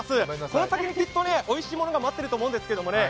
この先にきっとおいしいものが待ってると思うんですけどね。